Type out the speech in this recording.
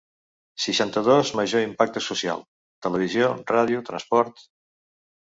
Seixanta-dos major impacte social: televisió, ràdio, transport...